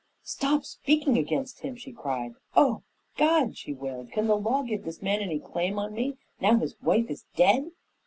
"Stop speaking against him!" she cried. "O God!" she wailed, "can the law give this man any claim on me, now his wife is dead?"